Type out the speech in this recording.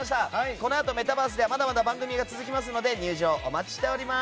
このあとメタバースではまだまだ番組が続きますので入場お待ちしています！